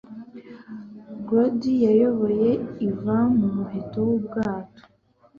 Gordy yayoboye Ivan mu muheto w'ubwato